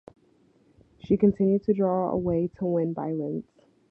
She continued to draw away to win by lengths.